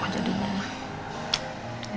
kok jadi mama